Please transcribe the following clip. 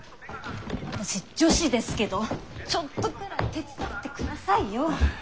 私女子ですけどちょっとくらい手伝ってくださいよ。